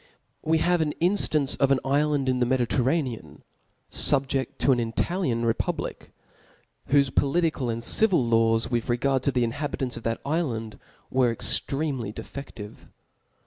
We have an inftance of an ifland in the Mcdi i terraacan, fuh^ea: to" an Italian republic \ whofc political and civil laWs^ vrtth regatrf to the iflha bkantt of that ifland were extremely defcflivc.